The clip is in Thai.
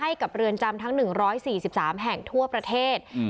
ให้กับเรือนจำทั้งหนึ่งร้อยสี่สิบสามแห่งทั่วประเทศอืม